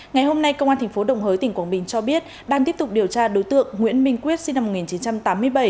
ngày hôm nay công an tp đồng hới tỉnh quảng bình cho biết đang tiếp tục điều tra đối tượng nguyễn minh quyết sinh năm một nghìn chín trăm tám mươi bảy